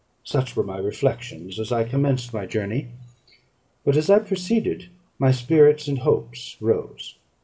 Such were my reflections as I commenced my journey; but as I proceeded, my spirits and hopes rose.